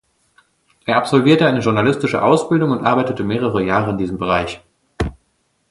Er absolvierte eine journalistische Ausbildung und arbeitete mehrere Jahre in diesem Bereich.